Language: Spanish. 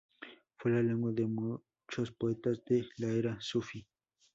Fue la lengua de muchos poetas de la era sufí.